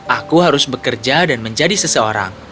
aku harus bekerja dan menjadi seseorang